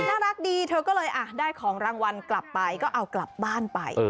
น่ารักดีเธอก็เลยได้ของรางวัลกลับไปก็เอากลับบ้านไป